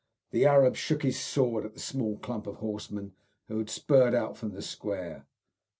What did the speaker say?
The Arab shook his sword at the small clump of horsemen who had spurred out from the square.